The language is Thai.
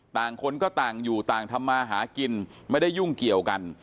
ต่างคนก็ต่างอยู่ต่างทำมาหากินไม่ได้ยุ่งเกี่ยวกัน